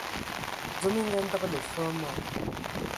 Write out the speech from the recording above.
Dzom e andǝgələ fɔɔ ma,